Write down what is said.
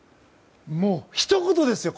もう、ひと言ですよ。